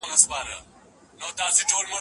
موږ په ټولنه کي ډېر نېک کارونه کړي دي.